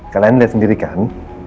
kalian lihat sendiri kan